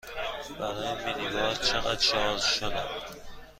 برای مینی بار چقدر شارژ شدم؟